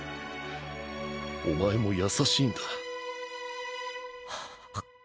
おまえも優しいんだ。